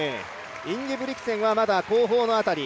インゲブリクセンはまだ後方の辺り。